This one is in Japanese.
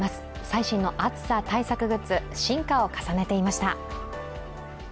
最新の暑さ対策グッズ、進化を重ねていました。